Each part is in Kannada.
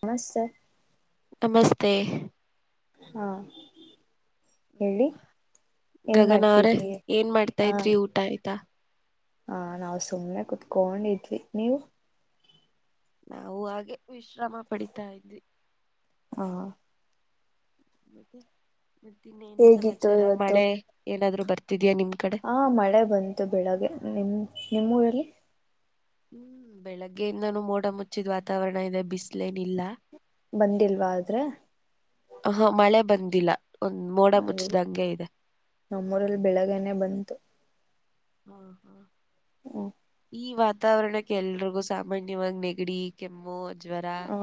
ಹ ಸರ್ ನಮಸ್ತೆ ಹಾ ಹ್ಮ ಹೇಳಿ ಏನ್ ಗಗನ ಅವ್ರೆ ಮಾಡ್ತಿದ್ರಿ ಏನ್ ಮಾಡ್ತಾ ಇದ್ರಿ ಊಟ ಆಯ್ತಾ ಹಾ ನಾವ್ ಸುಮ್ಮ್ನೆ ಕುೂತ್ಕೊಂಡಿದ್ವಿ ನೀವು ನಾವು ಹಾಗೆ ವಿಶ್ರಮ ಪಡಿತಾ ಇದ್ವಿ ಹಾ ಮತ್ತ ಮತ್ತ ಇನ್ನೇನ್ ಹೇಗಿತ್ತು ಸಮಾಚಾರ ಇವತ್ತು ಮಳೆ ಏನಾದ್ರು ಬರ್ ಹಾ ಮಳೆ ಬಂತು ಬೆಳಿಗ್ಗೆ ನಿಮ್ ನಿಮ್ಮ್ ಊರಲ್ಲಿ ಹ್ಮ್ ಬೆಳಗ್ಗೆಯಿಂದಾನೂ ಮೋಡ ಮುಚ್ಚಿದ್ ವಾತಾವರಣ ಇದೆ ಬಿಸ್ಲೇನ ಇಲ್ಲ. ಬಂದಿಲ್ವಾ ಆದ್ರೆ ಅ ಹ ಮಳೆ ಬಂದಿಲ್ಲ. ಒಂದ್ ಮೋಡ ಅಯ್ಯೋ ಮುಚ್ಚದಂಗೆ ಇದೆ ನಮ್ಮೂರಲ್ಲಿ ಬೆಳಗ್ಗನೆ ಬಂತು. ಆ ಹಾ ಊ ಈ ವಾತಾವರಣಕ್ಕೆ ಎಲ್ರಿಗೂ ಸಾಮಾನ್ಯವಾಗಿ ನೆಗಡಿ ಕೆಮ್ಮು ಜ್ವರ ಆ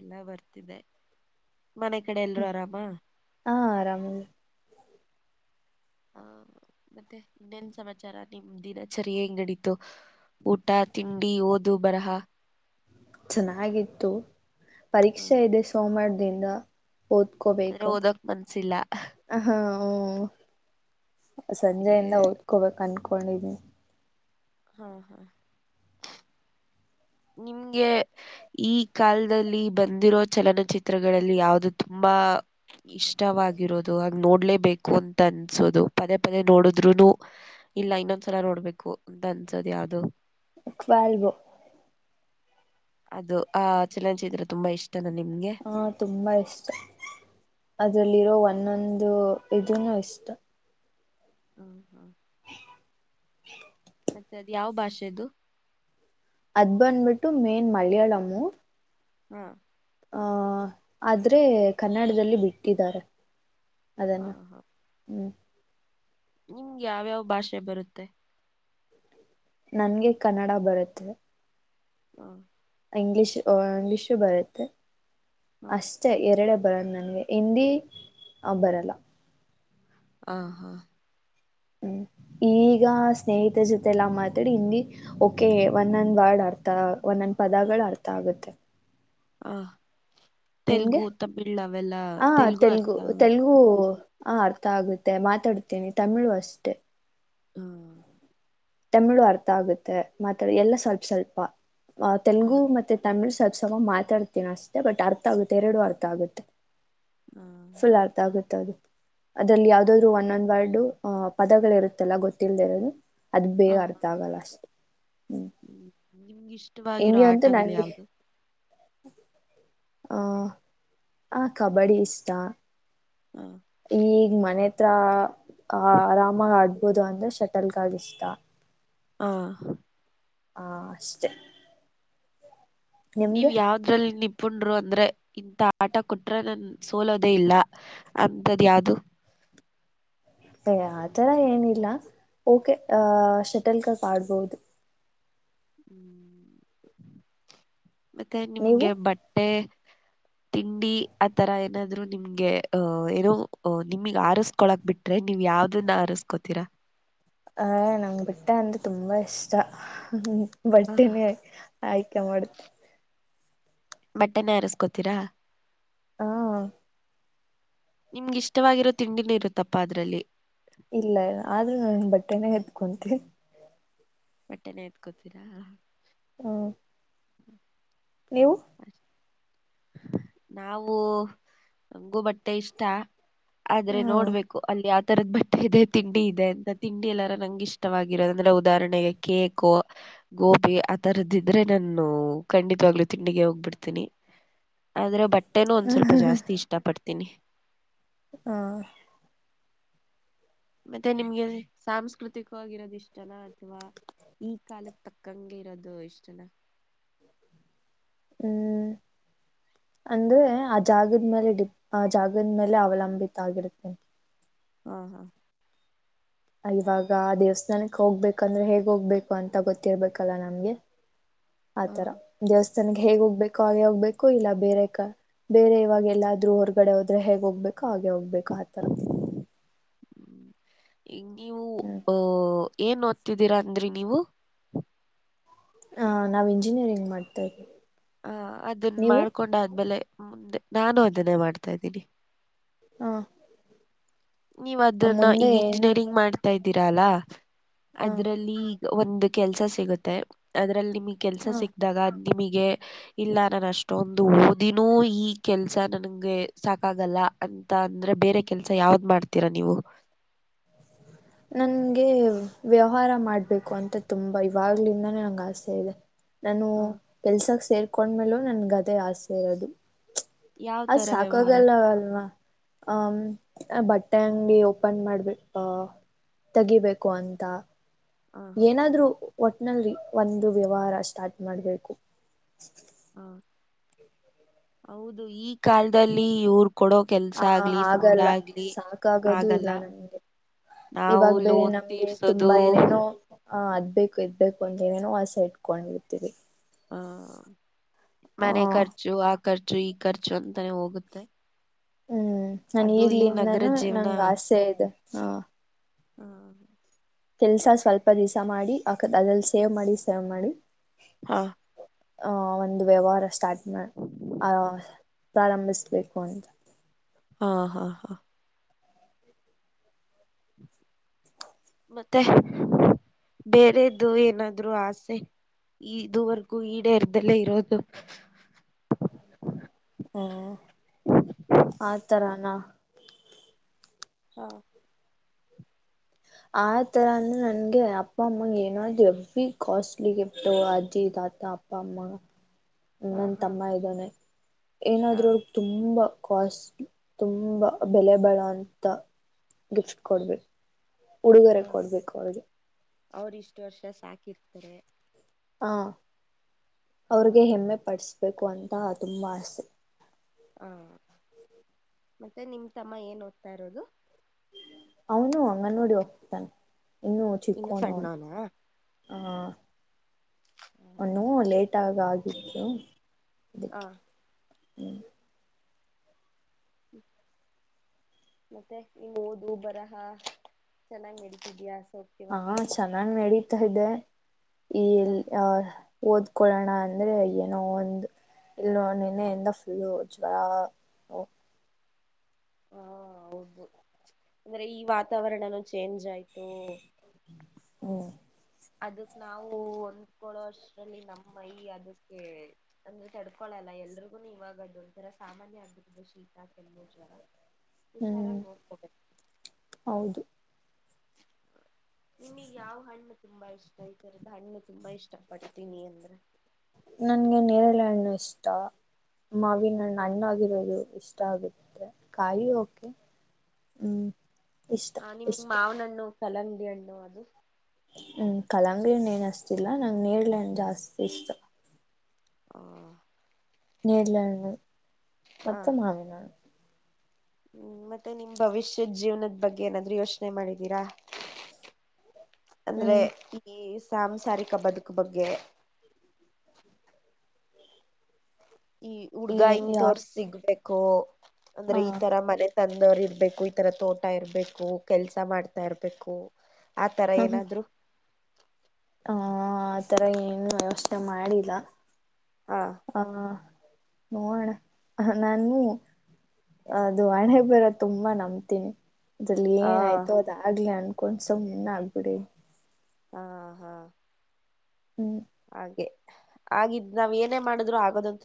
ಎಲ್ಲಾ ಬರ್ತಿದೆ. ಮನೆ ಕಡೆ ಎಲ್ರೂ ಆರಾಮ ಹಾ ಆರಾಮ ಹ ಮತ್ತೆ ಇನ್ನೇನ್ ಸಮಾಚಾರ ನಿಮ್ಮ ದಿನಚರಿ ಹೇಗ್ ನಡೀತು ಊಟ ತಿಂಡಿ ಓದು ಬರಹ. ಚೆನ್ನಾಗಿತ್ತು. ಪರೀಕ್ಷೆ ಇದೆ ಸೋಮಾರ್ ದಿಂದ ಅಂದ್ರೆ ಓದ್ಕೋಬೇಕು ಓದಕ್ ಮನ್ಸಿಲ್ಲ ಅಹಾ ಹು ಸಂಜೆಯಿಂದ ಓದ್ಕೋಬೇಕು ಅನ್ ಕೊಂಡಿದೀನಿ ಹಾ ಹಾ ನಿಮ್ಗೆ ಈ ಕಾಲದಲ್ಲಿ ಬಂದಿರೋ ಚಲನಚಿತ್ರಗಳಲ್ಲಿ ಯಾವ್ದು ತುಂಬಾ ಇಷ್ಟವಾಗಿರೋದು ಹಾಗ ನೋಡ್ಲೇಬೇಕು ಅಂತ ಅನ್ಸೋದು ಪದೇ ಪದೇ ನೋಡುದ್ರುನು ಇಲ್ಲ ಇನ್ನೊಂದ್ಸಲ ನೋಡ್ಬೇಕು ಅಂತ ಅನ್ಸೋದು ಯಾವ್ದು. ವಾಲ್ವೋ ಅದು ಆ ಚಲನಚಿತ್ರ ತುಂಬಾ ಇಷ್ ಹ ತುಂಬಾ ಇಷ್ಟ ಅದ್ರಲ್ಲಿರೋ ಒನ್ ನ್ನೊಂದು ಇದುನು ಇಷ್ಟ. ಹ್ಮ ಹ್ಮ [inaudible] ಮತ್ತೆ ಅದ ಯಾವ ಭಾಷೆದು. ಅದ್ ಬಂದ್ಬಿಟ್ಟು ಮೇನ್ ಮಲ್ಯಾಳಮ್ಮು ಹ್ಮ ಆಹ ಆದ್ರೆ ಕನ್ನಡದಲ್ಲಿ ಬಿಟ್ಟಿದ್ದಾರೆ. ಅದನ್ನ ಹ ಹ ಹ್ಮ್ ನಿಮ್ಗೆ ಯಾವ್ಯಾವ ಭಾಷೆ ಬರುತ್ತೆ. ನನ್ಗೆ ಕನ್ನಡ ಬರುತ್ತೆ. ಹ್ಮ ಇಂಗ್ಲಿಷ್ ಆ ಇಂಗ್ಲಿಷು ಬರುತ್ತೆ ಹಾ ಅಷ್ಟೇ ಎರಡೇ ಬರ ನನ್ಗೆ ಹಿಂದಿ ಆ ಬರಲ್ಲ ಹ ಹಾ ಹ್ಮ್ ಈಗ ಸ್ನೇಹಿತರ ಜೊತೆಲ್ಲಾ ಮಾತಾಡಿ ಹಿಂದಿ ಓಕೆ ಒಂದೊಂದ್ ವರ್ಡ್ ಅರ್ಥ ಒಂದೊಂದ್ ಪದಗಳು ಅರ್ಥ ಆಗತ್ತೆ ಹಾ ತೆಲುಗು ತಮಿಳ್ ಅವೆಲ್ಲ ತೆಲುಗು ಅರ್ಥ ಆಗುತ್ತೆ ಹಾ ಅರ್ಥ ಆಗುತ್ತೆ ಮಾತಾಡ್ತೇನಿ ತಮಿಳು ಅಷ್ಟೆ. ಹಾ ತಮಿಳು ಅರ್ಥ ಆಗುತ್ತೆ ಮಾತಾ [unintelligible] ಎಲ್ಲ ಸ್ವಲ್ಪ ಸ್ವಲ್ಪ ಅ ಹಾ ತೆಲುಗು ಮತ್ತೆ ತಮಿಳ್ ಸಲ್ಪ [unintelligible] [unintelligible] ಮಾತಾಡ್ತೀನ ಅಷ್ಟೆ ಬಟ್ ಅರ್ಥ ಆಗುತ್ತೆ ಎರಡು ಅರ್ಥ ಆಗುತ್ತೆ. ಹ ಫುಲ್ ಅರ್ಥ ಆಗುತ್ ತ [unintelligible] ಅದ್ರಲ್ಲಿ ಯಾವ್ದಾದ್ರು ಒಂದೊಂದ್ ವರ್ಡ್ ಅಹ್ ಪದಗಳು ಇರುತ್ತಲ್ಲ ಗೊತ್ತಿಲ್ದೆ ಇರೋದು ಅದ ಬೇಗ ಅರ್ಥ ಆಗಲ್ಲ ಅಷ್ಟೆ ಹ್ಮ್ ನಿಮ್ಗ ಇಷ್ಟವಾಗಿರೋ ಆಟಗಳು ಯಾವ್ದು ಹ ಆ ಕಬಡ್ಡಿ ಇಷ್ಟ ಹ ಈಗ ಮನೆತ್ ಹತ್ರ ಆ ಆರಾಮಾಗಿ ಆಡ್ಬೋದು ಅಂದ್ರೆ ಶಟಲ್ಗಾಗಿ [unintelligible] ಇಷ್ಟ ಹಾ ಹಾ ಅಷ್ಟೇ ನೀವ್ ಯಾವ್ದ್ರಲ್ಲಿ ನಿ [unintelligible] ಪುಣರು [unintelligible] ಅಂದ್ರೆ ಇಂತ ಆಟ ಕೊಟ್ರೆ ನನ್ ಸೋಲೋದೇ ಇಲ್ಲ ಅಂತದ ಯಾವ್ದದು ಏ ಆತರ ಏನಿಲ್ಲ ಓಕೆ ಹ ಶೆಟಲ್ಕಾಕ್ ಅಡಬೋದು ಹ್ಮ್ [inaudible] ಮತ್ತೆ ನೀವು ನಿಮ್ಗೆ ಬಟ್ಟೆ ತಿಂಡಿ ಆ ತರ ಏನಾದ್ರು ನಿಮ್ಗೆ ಅಹ್ ಏನೋ ಅ ನಿಮಗ್ ಹಾರಸ್ಕೊಳಕ್ [unintelligible] ಬಿಟ್ರೆ ನೀವ್ ಯಾವ್ದನ್ನ ಹಾರಸ್ಕೋತೀರಾ ಹ ನಂಗ್ ಬೆಟ್ಟ [unintelligible] ಅಂದ್ರೆ ತುಂಬಾ ಇಷ್ಟ ಹ್ಮ ಬಟ್ಟೆನೆ ಆಯ್ತು [unintelligible] ಬಟ್ಟೆನೆ ಹಾರಸ್ಕೋತೀರಾ ಹಾ ನಿಮ್ಗಿಷ್ಟವಾಗಿರೋ ತಿಂಡಿನ ಇರುತ್ತಪ್ಪ ಅದರಲ್ಲಿ. ಇಲ್ಲ ಆದ್ರೂ ನಾನ ಬಟ್ಟೆನೇ ಎತ್ಕೊಂತಿನ್ ಬಟ್ಟೆನ ಎತ್ಕೋತೀರಾ ಹ ಹ್ಮ್ [inaudible] ನೀವು ನಾವು ನಂಗೂ ಬಟ್ಟೆ ಇಷ್ಟ ಆದ್ರೆ ಹ್ಮ್ ನೋಡ್ಬೇಕು ಅಲ್ಲಿ ಆ ತರದ ಬಟ್ಟೆ ಇದೆ ತಿಂಡಿ ಇದೆ ಅಂತ ತಿಂಡಿ ಎಲ್ಲಾರ ನಂಗೆ ಇಷ್ಟವಾಗಿರೋದ ಅಂದ್ರೆ ಉದಾಹರಣೆಗೆ ಕೇಕು ಗೋಬಿ ಆ ತರದ ಇದ್ರೆ ನಾನು ಖಂಡಿತವಾಗ್ಲುೂ ತಿಂಡಿಗೆ ಹೋಗ್ಬಿಡ್ತೀನಿ ಆದ್ರೆ ಬಟ್ಟೆನೂ ಒಂದ್ ಸ್ವಲ್ಪ ಜಾಸ್ತಿ ಇಷ್ಟ ಪಡ್ತಾರೆ ತಿನಿ ಹಾ ಮತ್ತೆ ನಿಮ್ಗೆ ಸಾಂಸ್ಕೃತಿಕವಾಗಿರೋದಿಷ್ಟ ಚಲ ಅಥವಾ ಈ ಕಾಲಕ್ಕೆ ತಕ್ಕ ಕಂಗೆ ಇರೋದು ಇಷ್ಟಲ್ಲ ಹ್ಮ್ ಅಂದ್ರೆ ಆ ಜಾಗದ್ಮೇಲೆ ಡಿಪ್ ಆ ಜಾಗದ ಮೇಲೆ ಅವಲಂಬಿತ ಆಗಿರುತ್ತೆ ಹಾ ಹಾ ಇವಾಗ ದೇವಸ್ಥಾನಕ್ಕೆ ಹೋಗ್ಬೇಕಂದ್ರೆ ಹೇಗ್ ಹೋಗ್ಬೇಕು ಅಂತ ಗೊತ್ತಿರ್ಬೇಕಲ್ಲ ನಮ್ಗೆ ಆತರ ದೇವಸ್ಥ ನನಗೆ ಹೇಗ್ ಹೋಗ್ಬೇಕು ಹಾಗೆ ಹೋಗ್ಬೇಕು ಇಲ್ಲ ಬೇರೆ ಬೇರೆ ಇವಾಗ ಎಲ್ಲಾದ್ರೂ ಹೊರಗಡೆ ಹೋದ್ರೆ ಹೇಗ್ ಹೋಗ್ಬೇಕು ಹಾಗೆ ಹೋಗ್ಬೇಕು ಆತರ ಇ ನೀವು ಹ್ಮ್ ಅಹ ಏನ್ ಓದ್ತಿದ್ದೀರಾ ಅಂದ್ರಿ ನೀವು ಹ ನಾವ್ ಇಂಜಿನಿಯರಿಂಗ್ ಮಾಡ್ತಾ ಇದ್ವಿ ಹ ಅದನ್ ಮಾಡ್ಕೊಂಡ ಆದ್ಮೇಲೆ ಮುಂದೆ ನಾನು ಅದನ್ನೇ ಮಾಡ್ತಾ ಇದ್ದೀನಿ ಹಾ ನೀವ್ ಅದನ್ನ ಈಗ ಇಂಜಿನಿಯರಿಂಗ್ ಮಾಡ್ತಾ ಇದಿ ್ತಿದಿರಾ ಅಲ್ಲ ಹ ಅದ್ರಲ್ಲಿ ಈಗ ಒಂದು ಕೆಲ್ಸ ಸಿಗುತ್ತೆ ಅ ್ರಲ್ಲಿ ನಿಮಗ್ ಕೆಲಸ ಹ ಸಿಕ್ದಾಗ ನಿಮಗೆ ಇಲ್ಲ ನಾನು ಅಷ್ಟೊಂದು ಓದಿನೂ ಈ ಕೆಲ್ಸ ನನ್ಗೆ ಸಾಕಾಗಲ್ಲ ಅಂತ ಅಂದ್ರೆ ಬೇರೆ ಕೆಲ್ಸ ಯಾವ್ದ ಮಾಡ್ತೀರಾ ನೀವು ನಂಗೆ ವ್ಯವಹಾರ ಮಾಡ್ಬೇಕು ಅಂತ ತುಂಬಾ ಇವಾಗ್ಲಿಂದಾನೇ ನಂಗೆ ಆಸೆ ಇದೆ ನಾನು ಹ ಕೆಲ್ಸಕ್ ಸೇರ್ ಕಕೊಂಡ್ಮೇಲೂ ನನ್ ಗದೆ ಆಸೆ ಇರೋದು ಯಾವ ಅದ್ ತರ ವ್ಯವಹಾರ ಸಾಕಾಗಲ್ಲ ಅಲ್ವಾ ಅ ಬಟ್ಟೆಂಗಿ ಓಪನ್ ಮಾಡ್ಬೇಕ ಅಹ ತಗಿಬೇಕು ಅಂತ ಹ ಏನಾದ್ರೂ ಒಟ್ಲ್ಲಿ ಒಂದು ವ್ಯವಹಾರ ಸ್ಟಾರ್ಟ್ ಮಾಡಬೇಕು ಹಾ ಹೌದು ಈ ಕಾಲದಲ್ಲಿ ಇವರು ಹ ಆಗಲ್ಲ ಸಾಕಾಗದು ಆಗಲ್ಲ ಇಲ್ಲ ನಮ್ಗೆ ನಾವು ಇವಾಗ ಬೇರೆ ಲೋನ್ ನಮ್ಗೆ ತೀರ್ಸೋದು ತುಂಬಾ ಏನೇನೋ ಆ ಅದ್ಬೇಕು ಇದ್ಬೇಕು ಕೊಂಡ ನೇನೋ ಆ ಸ ಇಟ್ಕೊಂಡಿರ್ತೀರಿ ಆ ಮನೆ ಕರ್ಚು ಆ ಖರ್ಚು ಈ ಖರ್ಚು ಅಂತಾನೆ ಹೋಗುತ್ತೆ. ಹ್ಮ್ ನಾನ ಅದು ಈ ನಗರ ಈಗ್ಲಿಂದನೂ ನಂ ಆಸೆ ಇದೆ. ಹಾ. ಹಾ. ಕೆಲ್ಸ ಸ್ವಲ್ಪ ದಿವ್ಸ ಮಾಡಿ ಹಾಕದ್ ಅಲ್ಲೆಲ್ ಸೇವ್ ಮಾಡಿ ಸೇವ್ ಮಾಡಿ. ಹಾ. ಆ ಒಂದು ವ್ಯವಹಾರ ಸ್ಟಾರ್ಟ್. ಮ ಆ. ಪ್ರಾರಂಭಿಸ್ಬೇಕು ಅಂತ. ಹಾ ಹಾ ಹಾ. ಮತ್ತೆ ಬೇರೇದು ಏನಾದ್ರು ಆಸೆ ಇದುವರ್ಗೂ ಈಡೇರಿದಲ್ಲೇ ಇರೋದು. ಹ್ಮ್ ಆ ತರಾನ. ಹಾ. ಆ ತರ ಅಂದ್ರೆ ನನ್ಗೆ ಅಪ್ಪ ಅಮ್ಮಂಗೆ ಏನಾದ್ರು ಹೆವಿ ಕಾಸ್ಟ್ಲಿ ಗಿಫ್ಟು ಅಜ್ಜಿ ತಾತ ಅಪ್ಪ ಅಮ್ಮ. ಹಾ ನನ್ ಹಾ ತಮ್ಮ ಇದಾನೆ. ಹಾ ಏನಾದ್ರೂ ಅವ್ರಿಗ್ ತುಂಬ. ಕಾಷ್ಲಿ ತುಂಬಾ ಬೆಲೆ ಬಾಳೋ ಅಂತ ಗಿಫ್ಟ್ ಕೊಡ್ಬೇಕ್. ಉಡುಗೊರೆ ಕೊಡ್ಬೇಕು ಅವ್ರ್ ಗೆ. ಅವ್ರ್ ಇಷ್ಟ್ ವರ್ಷ ಸಾಕಿರ್ತರೆ. ಹಾ. ಅವ್ರಿಗೆ ಹೆಮ್ಮೆ ಪಡ್ಸ್. ಬೇಕು ಅಂತ ತುಂಬ ಆಸೆ. ಹಾ ಮತ್ತೆ ನಿಮ್ ತಮ್ಮ ಏನ್ ಓದ್ತಾ ಇರೋದು. ಅವ್ನು ಅಂಗನವಾಡಿ ಹೋಗ್ತಾನ್. ಇನ್ನೂ ಇನ್ನು ಚಿಕ್ಕೋನ್ ಅವ್ನ್. ಸಣ್ಣೋನಾ ಹಾ ಅವ್ನೂ ಲೇಟ್ ಆಗ್ ಆಗಿದ್ದು. ಹಾ. ಹ್ಮ್. ಮತ್ತೆ ಈಗ ಓದು ಬರಹ ಚೆನ್ನಾಗ್ ನಡಿತಿದ್ಯಾ. ಹಾ ಚೆನ್ನಾಗ್ ನಡಿ. ತಾ ಇದೆ. ಹಾ ಈಲ್ ಆ. ಓದ್ಕೊಳ್ಳೋಣ ಅಂದ್ರೆ ಏನೋ ಒಂದು ಇಲ್ಲ ನೆನ್ನೆಯಿಂದ ಫುಲ್ಲು ಜ್ವರ. ಹಾ ಹೌದು ಅಂದ್ರೆ ಈ ವಾತಾವರ್ಣಾನು ಚೇಂಜ್ ಆಯ್ತು. ಹೂ. ಅದಕ್ ನಾವು ಹೊಂದ್ಕೊಳ್ಳೋ ಅಷ್ಟ್ರಲ್ಲಿ ನಮ್ಮ್ ಮೈ ಅದುಕ್ಕೆ ಅಂದ್ರೆ ತಡ್ಕೊಳಲ್ಲ ಎಲ್ರಿಗುನು ಇವಾಗ ಅದ್ ಒಂತರ ಸಾಮಾನ್ಯ ಆಗ್ಬಿಟ್ಟಿದೆ ಶೀತಾ ಕೆಮ್ಮು ಜ್ವರ. ಹ್ಮ್ ಹುಷಾರಾಗ್ ನೋಡ್ಕೋಬೇಕ್. ಹೌದು ನಿಮಿಗ್ ಯಾವ ಹಣ್ಣ್ ತುಂಬಾ ಇಷ್ಟ ಈತರದ್ ಹಣ್ಣು ತುಂಬ ಇಷ್ಟ ಪಡ್ತೀನಿ ಅಂದ್ರೆ. ನನ್ಗೆ ನೇರಳೆ ಹಣ್ಣು ಇಷ್ಟ. ಮಾವಿನ್ ಹಣ್ಣು ಹಾಣ್ಣಾಗಿರೋದು ಇಷ್ ಟ ಆಗುತ್ತೆ ಕಾಯಿ ಓಕೆ ಹ್ಮ್ ಇಷ್ಟ ಹ ನಿಮಗ್ ಇಷ್ಟ ಮಾವಿನಣ್ಣು ಕಲಂಗಡಿ ಹಣ್ಣು ಅದು ಹ್ಮ್ ಕಲಂಗಡಿಯೇನ್ ಏನಷ್ಟ ತಿನ್ನಲ್ಲ ನಂಗ್ ನೇಡ್ಲನ್ ಜಾಸ್ತಿ ಇಷ್ಟ ಹ ನರ್ಲೆಣ್ ಹ ಮತ್ತೆ ಮಾವಿನ ಹ್ಮ್ ಮತ್ತೆ ನಿಮ್ ಭವಿಷ್ಯದ ಜೀವನದ ಬಗ್ಗೆ ಏನಾದ್ರೂ ಯೋಚನೆ ಮಾಡಿದ್ದೀರಾ? ಅಂದ್ರೆ ಹ್ಮ್ ಈ ಸಾಂಸಾರಿಕ ಬದುಕು ಇ ಬಗ್ಗೆ ಈ ಹುಡ್ಗಾ ಹಿಂಗ ತೋರ್ ಸಿಗ್ಬೇಕು‌. ಗ ಅಂದ್ರೆ ಆ ಈ ತರ ಮನೆ ತಂದವರು ಇರ್ಬೇಕು ಈ ತರ ತೋಟ ಇರ್ಬೇಕು ಕೆಲ್ಸ ಮಾಡ್ತಾ ಇರ್ಬೇಕು. ಆ ತರ ಏನಾದ್ರು ಹ ಆತರ ಏನು ಯೋಚನೆ ಮಾಡಿಲ್ಲ. ಹಾ ನೋಣ ನಾನು ಅದು ಹಣೆ ಬರ ತುಂಬಾ ನಂಬ್ತೀನಿ. ಅಲ್ಲಿ ಹಾ ಏನಾಯ್ತು ಅದ ಆ ಅನ್ ಕೊಸ ಮುನ್ನ ಆಗ್ ಬಿಡಿ ಹಾ ಹಾ ಹ್ಮ್ ಹಾಗೆ ಹಾಗಿದ್ ನಾವ್ ಏನೇ ಮಾಡಿದ್ರು ಆಗೋದಂತ.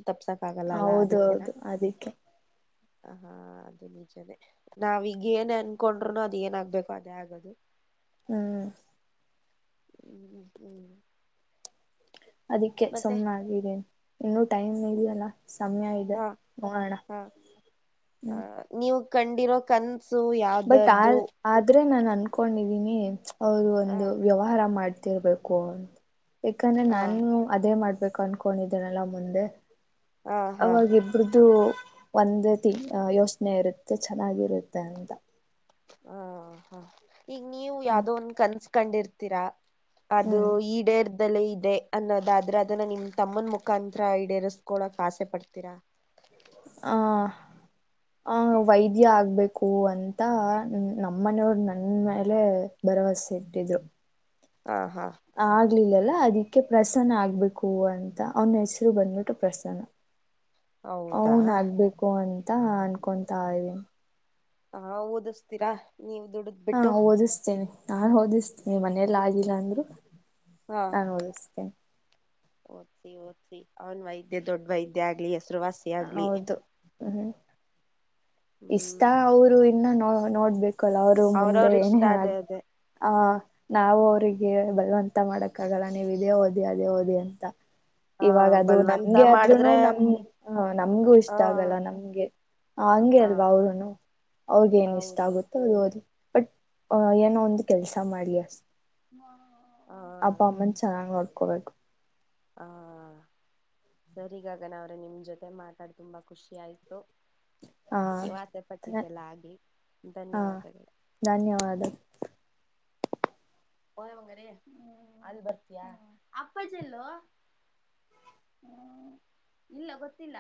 ಹೌದ ಹೌದು ಅದಕ್ಕೆ ಹಾ ಅದು ನಿಜನೇ ನಾವೀಗ ಏನ್ ಅನ್ಕೊಂಡರುನು ಅದ ಏನೇನಾಗ್ಬೇಕು ಅದೇ ಆಗದು. ಹ್ಮ್ ಹ್ಮ್ ಅದಕ್ಕೆ ಮತ್ತೆ ಸುಮ್ನೆ ಆಗಿದ್ದೇನೆ. ಇನ್ನುೂ ಟೈಮ್ ಇದೆಯಲ್ಲ ಸಮಯ ಇದೆ ಹಾ ನೋಡೋಣ ಹಾ ಆ ಹ್ಮ ನೀವು ಕಂಡಿರೋ ಕಂದ ಬಟ್ ಆ ಆದ್ರೆ ನಾನ ಅನ್ಕೊಂಡಿದೀನಿ. ಅವರು ಆ ಒಂದು ವ್ಯವಹಾರ ಮಾಡ ತೆಳ್ಬೇಕೊ. ಯಾಕಂದ್ರ ಆ ನಾನು ಅದೇ ಮಾಡ್. ಬೇಕ್ ಅನ್ಕೊಂಡಿದ್ದನಲ್ಲ ಮುಂದೆ. ಆ ಹಾ ಅವಾಗ ಇಬ್ರುದು. ಒಂದ ತ್ ಯೋಚನೆ ಇರತ್ತೆ ಚೆನ್ನಾಗಿರುತ್ತೆ ಅಂತಾ. ಹಾ ಹಾ ಈಗ ನೀವು ಹ್ಮ್ ಯಾವ್ದೋ ಒಂದ್ ಕನಸ್. ಕಂಡಿರ್ತೀರಾ. ಅದು ಹ್ಮ್ ಈಡೇರ್ ಈಡೇರದಲೇ ಇದೆ ಅನ್ನೋದಾದ್ರೆ ಅದನ್ನ ನಿಮ್ಮ ತಮ್ಮನ ಮುಖಾಂತ್ರ ಈಡೇರಸ್ಕೊಳಕ್ ಆಸೆ ಪಡ್ತೀರಾ. ಆಹ ಆ ವೈದ್ಯ ಆಗ್ಬೇಕು ಅಂತ ನಮ್ಮನೆಯವರು ನನ್ನ ಮೇಲೆ ಭರವಸೆ ಇಟ್ಟಿದ್ರು. ಹಾ ಆಗ್ಲಿಲ್ಲ ಅಲ್ಲ. ಅದೀಕ್ಕೆ ಪ್ರಸನ್ನ ಆಗ್ಬೇಕು ಅಂತಾ ಅವನ್ ಹೆಸ್ರು ಬಂದ್ಬಿಟ್ಟು ಪ್ರಸನ್ನ. ಹೌದಾ ಅವ್ನು ಆಗ್ಬೇಕು ಅಂತ್. ಅಂತಾ ಅನ್ಕೊತಾ ಇದೀನಿ. ಹಾ ಓದಿಸ್ತೀರಾ. ನೀವು ದುಡದ್ ಹಾ ಬಿಟ್ಟು ಓದಿಸ್ತೇನೆ ನಾನ್ ಓದಿಸ್ತೀನಿ ಮನೆ. ಮನೇಲ್ ಆಗಿಲ್ಲ ಅಂದ್ರೆ. ಹಾ ನಾನ್ ಓದಸು ತ್ತ ಓದ್ಸಿ ಓದ್ಸಿ ಅವನ್ ವೈದ್ಯ ದೊಡ್ ವೈದ್ಯ ಆಗ್ಲಿ ಎಷ್ಟ. ಹೌದು ಹ್ಮ್ ಇಷ್ಟ ಹ್ಮ್ ಅವ್ರು ಇನ್ನು ನಮ್. ಹಾ ನೋಡ್ಬೇಕ. ಕಲಾ ಅವ್ರು ಮುಂದೆ ಅವ್ರವ್ರ ಇಷ್ಟ ಏನೇನೆ ಅದೇ ಆಗ್ ಅದೇ ಆ. ನಾವು ಅವರಿಗೆ ಬಲವಂತ ಮಾಡಕ್ಕ ಆಗಲ್ಲ ನೀವ್ ಇದೇ ಓದಿ ಅದೇ ಓದಿ ಅಂತಾ. ಹ ಇವಾಗ ಅದು ಬಲ್ವಂತ ನಮ್ಗೆ ಆದ್ರುನು ಮಾಡಿದ್ರೆ ನಮ್. ಹ ನಮ್ಗೂ ಇಷ್ಟ ಹ ಆಗಲ್ಲ ನಮ್ಗೆ ಹಂಗೆ ಹ ಅಲ್ವಾ ಅವ್ರನು ಅವ್ರಗೇಏನ ಇಷ್ಟ ಹೌದೌದು ಆಗುತ್ತೆ ಅದು ಒದ ಬಟ್ ಅ ಏನೋ ಒಂದು ಕೆಲ್ಸ ಮಾಡ್ಲಿ ಅಸ್ [inaudible] ಅಪ್ಪ ಅಮ್ಮನ್ ಚೆನ್ನಾಗ ನಡ್ಕೋಬೇಕು. ಹ ಸರಿ ಗಗನಾ ಅವ್ರೆ ನಿಮ್ಮ ಜೊತೆ ಮಾತಾಡಿ ತುಂಬಾ ಖುಷಿ ಆಯ್ತು. ಹ ನೀವ್ ಆಸೆಪಟ್ಟಿದ್ದೇಲ್ಲ ಆಗ್ಲಿ ಹ ಧನ್ಯವಾದಗಳು. ಧನ್ಯವಾದ ಒನೆ ಬಂಗಾರಿ ಅಲ್ ಬರ್ತೀಯಾ ಅಪ್ಪಾಜಿ ಎಲ್ಲೋ ಇಲ್ಲ ಗೊತ್ತಿಲ್ಲ.